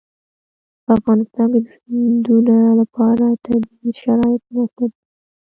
په افغانستان کې د سیندونه لپاره طبیعي شرایط مناسب دي.